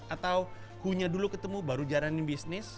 atau who nya dulu ketemu baru jalanin bisnis